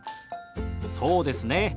そうですね。